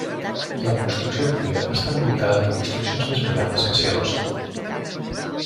La construcció antiga està envoltada de construccions més modernes que s'hi adossen.